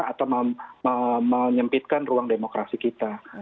atau menyempitkan ruang demokrasi kita